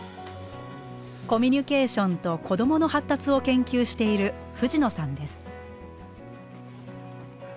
コミュニケーションと子どもの発達を研究している藤野さんです。